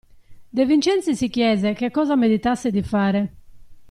De Vincenzi si chiese che cosa meditasse di fare.